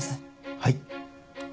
はい。